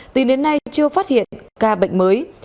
từ đến nay chưa phát hiện ca bệnh mới